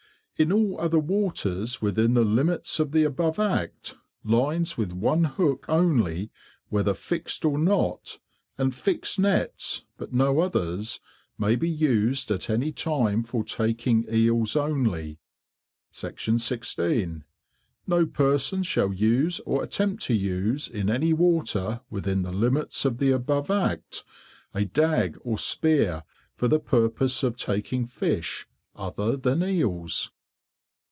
In all other waters within the limits of the above Act, lines with one hook only, whether fixed or not, and fixed Nets, but no others, may be used at any time for taking Eels only. 16. No person shall use or attempt to use, in any water within the limits of the above Act, a Dag or Spear, for the purpose of taking Fish other than Eels.